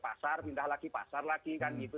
pasar pindah lagi pasar lagi kan gitu